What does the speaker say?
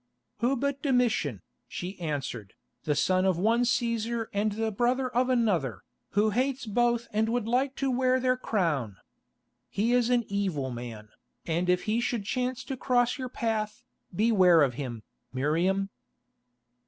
"Who but Domitian," she answered, "the son of one Cæsar and the brother of another, who hates both and would like to wear their crown. He is an evil man, and if he should chance to cross your path, beware of him, Miriam."